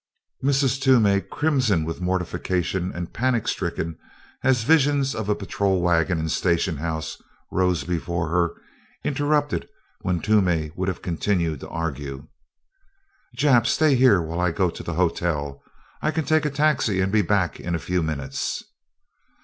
Mrs. Toomey, crimson with mortification and panic stricken as visions of a patrol wagon and station house rose before her, interrupted when Toomey would have continued to argue. "Jap, stay here while I go to the hotel I can take a taxi and be back in a few minutes."